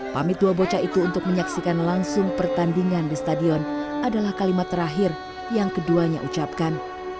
pamit dua bocah itu untuk menyaksikan langsung pertandingan di stadion adalah kalimat terakhir yang keduanya ucapkan